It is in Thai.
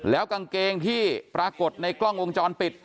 แล้วกางเกงที่ปรากฏในกล้องวงจรปิด